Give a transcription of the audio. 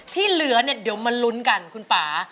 ที่เหลือเนี่ยเดี๋ยวมาลุ้นกันคุณป่า